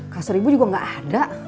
kasur ibu juga gak ada